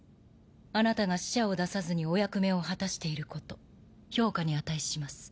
あなたが死者を出さずにお役目を果たしていること評価に値します。